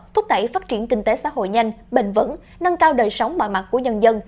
thúc đẩy phát triển kinh tế xã hội nhanh bền vững nâng cao đời sống mọi mặt của nhân dân